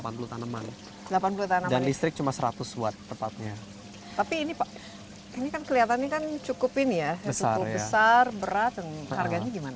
nah terima kasih haha boi banyak uang